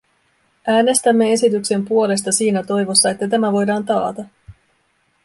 Äänestämme esityksen puolesta siinä toivossa, että tämä voidaan taata.